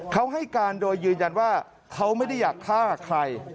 เขาให้การโดยยืนยันว่าเขาไม่ได้อยากฆ่าใคร